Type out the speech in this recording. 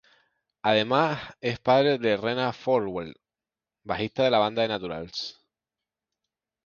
Además es padre de Rhea Fowler, bajista de la banda The Naturals.